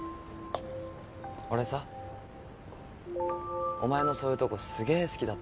「俺さお前のそういうとこすげえ好きだったよ」